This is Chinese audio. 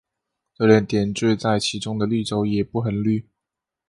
就连点缀在其中的绿洲也不很绿。